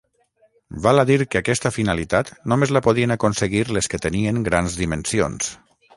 Val a dir que aquesta finalitat només la podien aconseguir les que tenien grans dimensions.